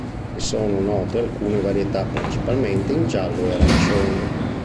Ne sono note alcune varietà principalmente in giallo e arancione.